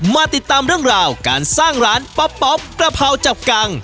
มาติดตามเรื่องราวการสร้างร้านป๊อปกระเพราจับกัง